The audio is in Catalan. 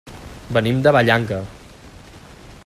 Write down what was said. Venim de Vallanca.